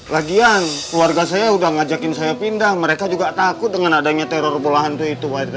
lagian keluarga saya udah ngajakin saya pindah mereka juga takut dengan adanya teror bola hantu itu pak rt